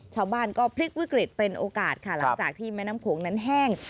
ชาวบ้านก็พลิกวิกฤตเป็นโอกาสค่ะหลังจากที่แม่น้ำโขงนั้นแห้ง